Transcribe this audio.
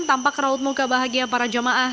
tampak raut muka bahagia para jamaah